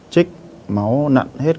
chích máu nặn hết